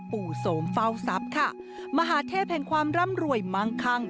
โสมเฝ้าทรัพย์ค่ะมหาเทพแห่งความร่ำรวยมั่งคั่ง